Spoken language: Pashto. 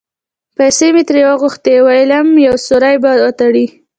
پیسې مې ترې وغوښتې؛ وېلم یو سوری به وتړي.